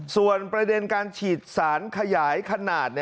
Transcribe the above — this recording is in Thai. ส่วนประเด็นการฉีดสารขยายขนาด